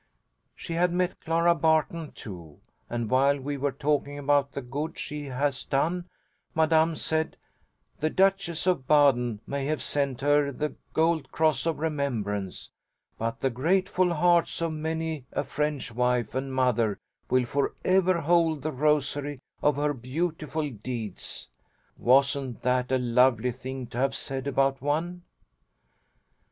"She had met Clara Barton, too, and while we were talking about the good she has done, Madame said, 'The Duchess of Baden may have sent her the Gold Cross of Remembrance, but the grateful hearts of many a French wife and mother will for ever hold the rosary of her beautiful deeds!' Wasn't that a lovely thing to have said about one?